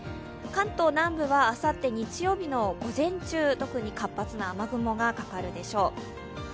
関東南部はあさって日曜日の午前中、特に活発な雨雲がかかるでしょう。